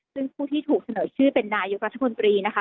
ซึ่งผู้ที่ถูกเสนอชื่อเป็นนายกรัฐมนตรีนะคะ